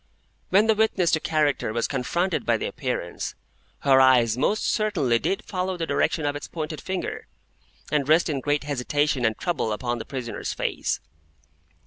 When the witness to character was confronted by the Appearance, her eyes most certainly did follow the direction of its pointed finger, and rest in great hesitation and trouble upon the prisoner's face.